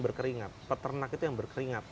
berkeringat peternak itu yang berkeringat